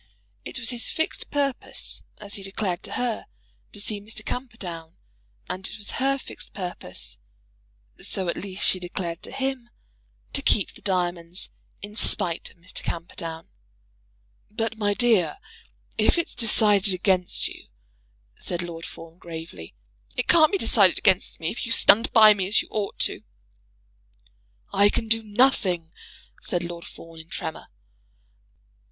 It was his fixed purpose, as he declared to her, to see Mr. Camperdown; and it was her fixed purpose, so, at least, she declared to him, to keep the diamonds, in spite of Mr. Camperdown. "But, my dear, if it's decided against you " said Lord Fawn gravely. "It can't be decided against me, if you stand by me as you ought to do." "I can do nothing," said Lord Fawn, in a tremor.